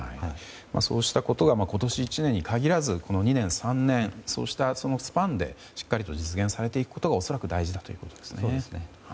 そうしたことが今年１年に限らず、２年、３年そうしたそのスパンでしっかりと実現をされていくことが恐らく大事だということですね。